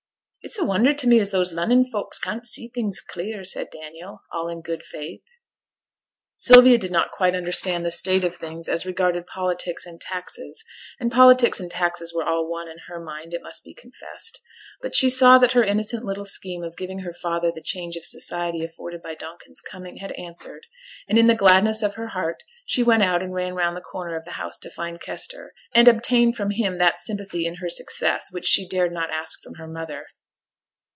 'It's a wonder t' me as those Lunnon folks can't see things clear,' said Daniel, all in good faith. Sylvia did not quite understand the state of things as regarded politics and taxes and politics and taxes were all one in her mind, it must be confessed but she saw that her innocent little scheme of giving her father the change of society afforded by Donkin's coming had answered; and in the gladness of her heart she went out and ran round the corner of the house to find Kester, and obtain from him that sympathy in her success which she dared not ask from her mother.